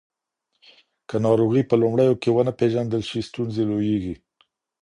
که ناروغي په لومړیو کې ونه پیژندل شي، ستونزې لویېږي.